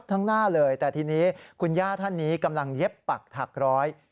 แต่ทีนี้คุณย่าท่านนี้กำลังเย็บปักถักร้อย